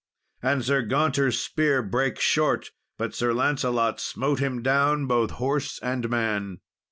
And Sir Gaunter's spear brake short, but Sir Lancelot smote him down, both horse and man.